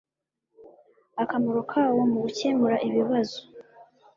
akamaro kawo mu gukemura ibibazo